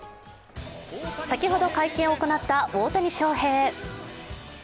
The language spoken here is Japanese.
先ほど会見を行った大谷翔平。